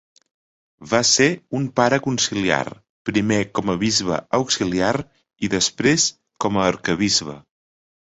Va ser un pare conciliar, primer com a bisbe auxiliar i després com a arquebisbe.